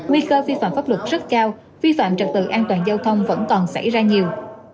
nguy cơ phi phạm pháp luật rất cao phi phạm trực tự an toàn giao thông vẫn còn xảy ra nhiều